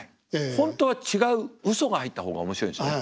本当は違ううそが入った方が面白いんですよね。